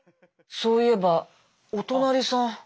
そういえばお隣さん。